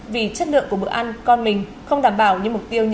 vì chất lượng của bữa ăn con mình không đảm bảo như mục tiêu như